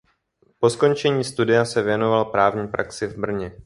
Po skončení studia se věnoval právní praxi v Brně.